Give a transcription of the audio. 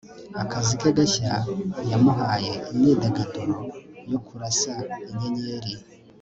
Akazi ke gashya yamuhaye imyidagaduro yo kurasa inyenyeri